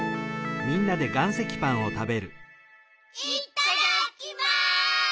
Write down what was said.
いっただきます！